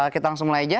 kita langsung mulai aja